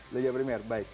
liga primer baik